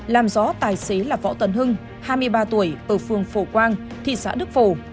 làm rõ tài xế là võ tấn hưng hai mươi ba tuổi ở phường phổ quang thị xã đức phổ